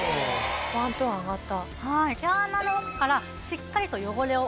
ワントーン上がった。